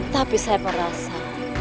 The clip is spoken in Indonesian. tapi saya merasa